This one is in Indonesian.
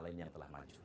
lain yang telah maju